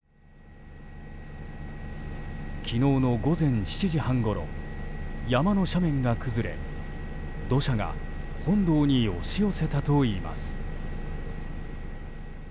昨日の午前７時半ごろ山の斜面が崩れ土砂が本堂に押し寄せたといいます。